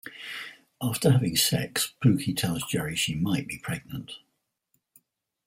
After having sex, Pookie tells Jerry she might be pregnant.